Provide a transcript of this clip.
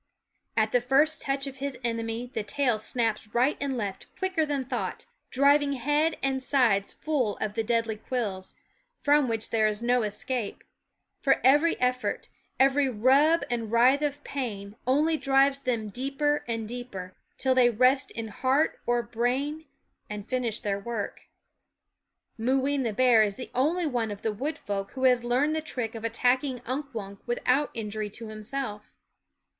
At the first touch of his enemy the tail snaps right and left quicker than thought, driving head and sides full of the deadly quills, from which there is no escape ; for every effort, every rub and writhe of pain, only drives them deeper and deeper, till they rest in heart or brain and finish their work. Mooween the bear is the only one of the wood folk who has learned the trick of attack ing Unk Wunk without injury to himself.